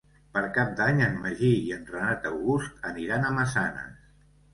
Per Cap d'Any en Magí i en Renat August aniran a Massanes.